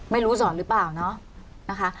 ไม่รู้สอนหรือเปล่าเนาะนะคะ